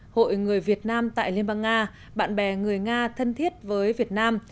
hội người việt nam tại liên bang nga bạn bè người nga thân thiết với việt nam